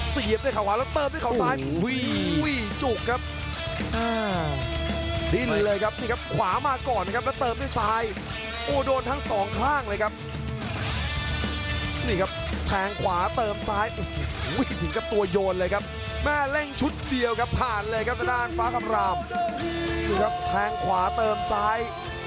เสียบด้วยขาวขวาแล้วเติบด้วยขาวซ้าย